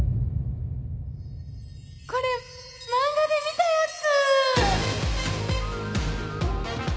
これ漫画で見たやつ！